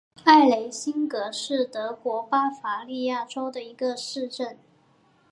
埃雷辛格是德国巴伐利亚州的一个市镇。